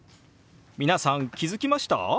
皆さん気付きました？